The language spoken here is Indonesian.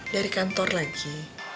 dari kantor lagi